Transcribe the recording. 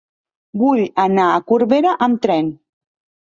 Vull anar a Corbera amb tren.